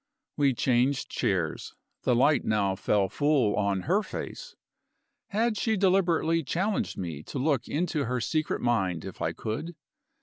We changed chairs; the light now fell full on her face. Had she deliberately challenged me to look into her secret mind if I could?